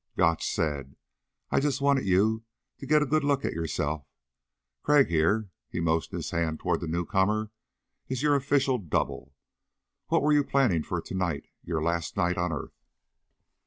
Gotch said, "I just wanted you to get a good look at yourself. Crag here" he motioned his hand toward the newcomer "is your official double. What were you planning for tonight, your last night on earth?"